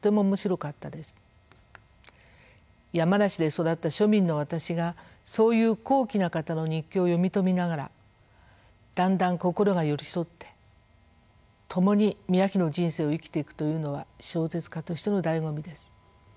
山梨で育った庶民の私がそういう高貴な方の日記を読み解きながらだんだん心が寄り添って共に宮妃の人生を生きていくというのは小説家としてのだいご味です。